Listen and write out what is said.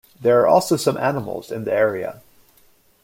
There are also some animals in the area.